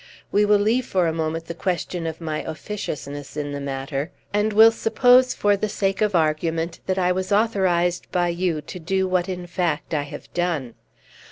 We will leave for a moment the question of my officiousness in the matter, and we'll suppose, for the sake of argument, that I was authorized by you to do what in fact I have done.